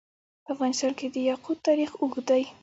په افغانستان کې د یاقوت تاریخ اوږد دی.